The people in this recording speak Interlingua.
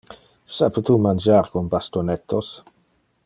Sape tu mangiar con bastonettos?